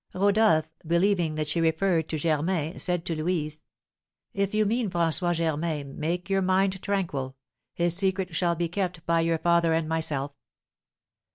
Rodolph, believing that she referred to Germain, said to Louise: "If you mean François Germain, make your mind tranquil, his secret shall be kept by your father and myself."